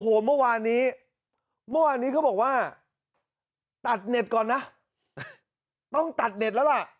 โอ้โหเมื่อวานนี้เมื่อวานนี้เขาบอกว่าตัดเน็ตก่อนนะต้องตัดเน็ตแล้วล่ะ